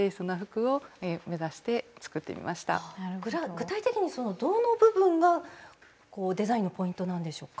具体的にどの部分がデザインのポイントなんでしょうか。